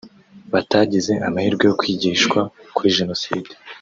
batagize amahirwe yo kwigishwa kuri Jenoside